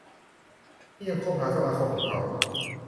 ที่ยังคบหาสมาคมกับเขา